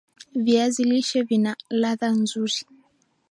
viazi lishe vina ladha nzuri